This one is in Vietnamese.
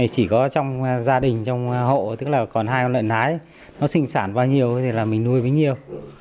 chỉ có trong gia đình trong hộ tức là còn hai con lợn nái nó sinh sản bao nhiêu thì là mình nuôi với nhiều